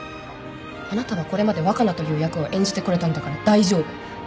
あなたはこれまで若菜という役を演じてこれたんだから大丈夫